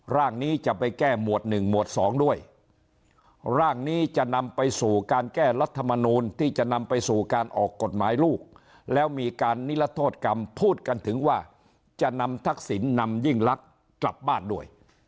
ร่างนี้จะไปแก้หมวดหนึ่งหมวดสองด้วยร่างนี้จะนำไปสู่การแก้รัฐมนูลที่จะนำไปสู่การออกกฎหมายลูกแล้วมีการนิรโทษกรรมพูดกันถึงว่าจะนำทักษิณนำยิ่งลักษณ์กลับบ้านด้วย